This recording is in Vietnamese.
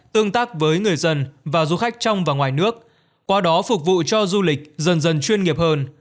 tương tác với người dân và du khách trong và ngoài nước qua đó phục vụ cho du lịch dần dần chuyên nghiệp hơn